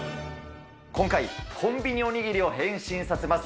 今回、コンビニおにぎりを変身させます。